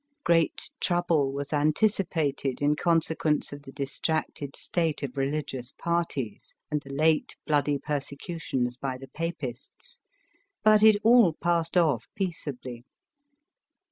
Great trouble was anticipated in consequence of the distracted state of religious parties, and the late bloody persecutions by the papists. But it all passed off peaceably.